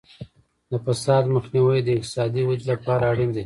د فساد مخنیوی د اقتصادي ودې لپاره اړین دی.